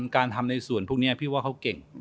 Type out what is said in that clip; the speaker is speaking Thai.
การทำในส่วนเบาะแบบนี้พี่กู้ก็เก่ง